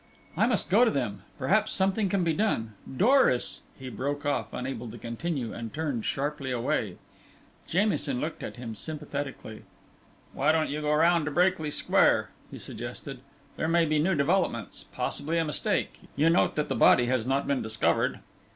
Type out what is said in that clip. "I must go to them. Perhaps something can be done. Doris " he broke off, unable to continue, and turned away sharply. Jamieson looked at him sympathetically. "Why don't you go round to Brakely Square?" he suggested. "There may be new developments possibly a mistake. You note that the body has not been discovered."